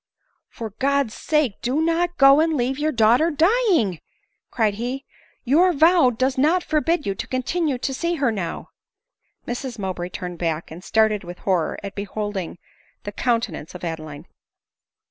" For God's sake do not go and leave your daughter dying!" cried he; "your vow does not forbid you to continue to see her now." Mrs Mowbray turned back, and started with horror at beholding the countenance of Adeline.